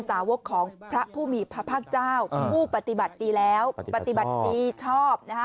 สาวกของพระผู้มีพระพระเจ้าผู้ปฏิบัติดีแล้วติดมาที่ชอบ